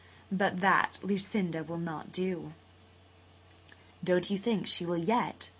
But that Lucinda will not do." "Don't you think she will yet?"